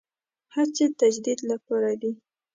هڅې تجدید لپاره دي.